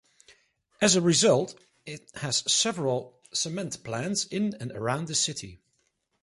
As a result, it has several cement plants in and around the city.